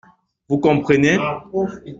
Vous comprenez ?